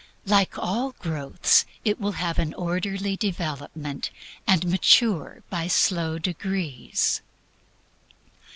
Like all growth it will have an orderly development and mature by slow degrees.